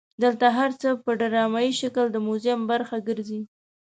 دلته هر څه په ډرامایي شکل د موزیم برخه ګرځي.